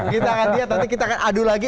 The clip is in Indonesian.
kita akan lihat nanti kita akan adu lagi